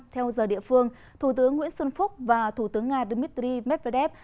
theo giờ địa phương thủ tướng nguyễn xuân phúc và thủ tướng nga dmitry medvedev